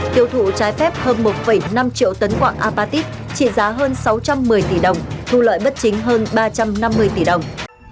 tiêu thụ trái phép hơn một năm triệu tấn quạng apatit trị giá hơn sáu trăm một mươi tỷ đồng thu lợi bất chính hơn ba trăm năm mươi tỷ đồng